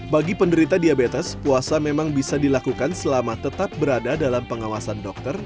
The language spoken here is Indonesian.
bagi penderita diabetes puasa memang bisa dilakukan selama tetap berada dalam pengawasan dokter